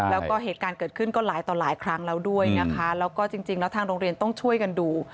แล้วก็เหตุการณ์เกิดขึ้นก็หลายต่อหลายครั้งแล้วด้วยนะคะแล้วก็จริงแล้วทางโรงเรียนต้องช่วยกันดู